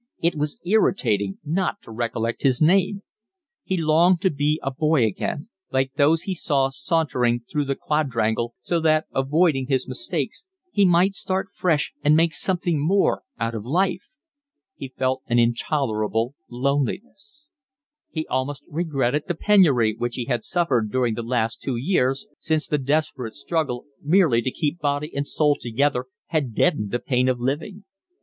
It was irritating not to recollect his name. He longed to be a boy again, like those he saw sauntering through the quadrangle, so that, avoiding his mistakes, he might start fresh and make something more out of life. He felt an intolerable loneliness. He almost regretted the penury which he had suffered during the last two years, since the desperate struggle merely to keep body and soul together had deadened the pain of living.